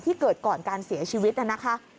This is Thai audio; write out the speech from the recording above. ที่เกิดก่อนการเสียชีวิตนั้นนะคะ